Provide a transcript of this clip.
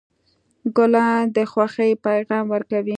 ګلان د خوښۍ پیغام ورکوي.